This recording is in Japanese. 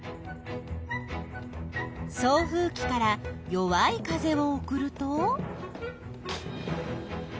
送風きから弱い風を送ると？